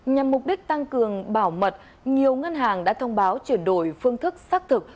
nhằm mục đích tăng cường bảo mật nhiều ngân hàng đã thông báo chuyển đổi phương thức xác thực